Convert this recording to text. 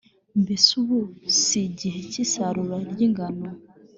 mbese ubu si igihe cy’isarura ry’ingano?